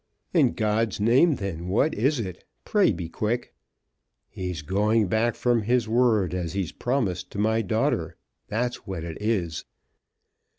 "In God's name, then, what is it? Pray be quick." "He's going back from his word as he's promised to my daughter. That's what it is."